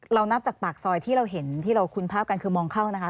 นับจากปากซอยที่เราเห็นที่เราคุ้นภาพกันคือมองเข้านะคะ